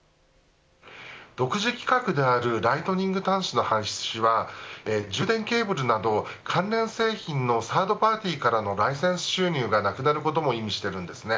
独自規格であるライトニング端子の廃止は充電ケーブルなど関連製品のサードパーティーからのライセンス収入がなくなることも意味しています。